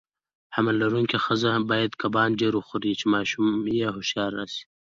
حمل لرونکي خزه باید کبان ډیر وخوري، چی ماشوم یی هوښیار راشي.